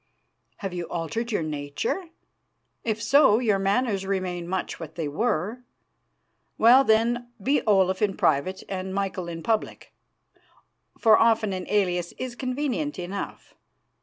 "Have you altered your nature? If so, your manners remain much what they were. Well, then, be Olaf in private and Michael in public, for often an alias is convenient enough.